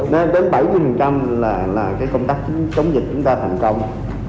đến bảy mươi là công tác chống dịch chúng ta thành công